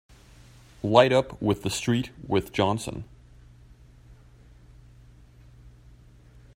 Light up with the street with Johnson!